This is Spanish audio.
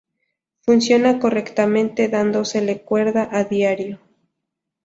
Funciona correctamente, dándosele cuerda a diario.